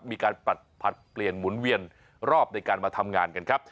มีการผลัดเปลี่ยนหมุนเวียนรอบในการมาทำงานกันครับ